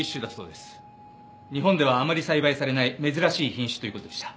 日本ではあまり栽培されない珍しい品種という事でした。